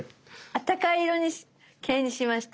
あったかい色系にしました。